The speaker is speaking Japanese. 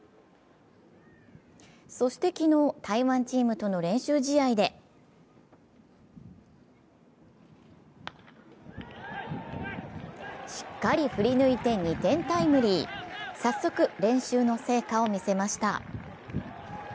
そして昨日、台湾チームとの練習試合でしっかり振り抜いて２点タイムリー早速練習の成果を見せました。